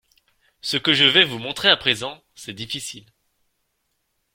Ce que je vais vous montrer à présent, c’est difficile…